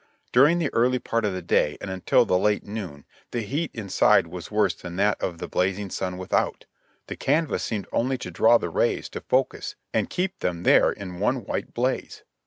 During the early part of the day and until the late noon, the heat inside was worse than that of the blazing sun without; the canvas seemed only to draw the rays to a focus and keep them there in one white blaze.